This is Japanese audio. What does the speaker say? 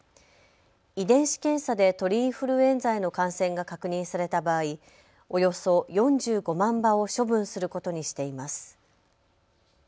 遺伝子検査で鳥インフルエンザへの感染が確認された場合、およそ４５万羽を処分することにしています。